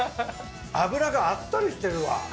脂があっさりしてるわ。